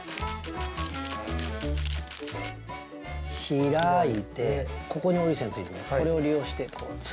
開いてここに折り線ついてるんでこれを利用して潰します。